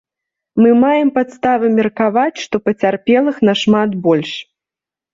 Мы маем падставы меркаваць, што пацярпелых нашмат больш.